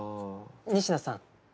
仁科さん。